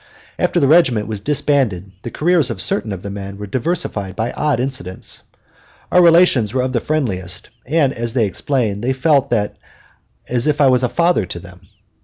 After the regiment was disbanded the careers of certain of the men were diversified by odd incidents. Our relations were of the friendliest, and, as they explained, they felt "as if I was a father" to them.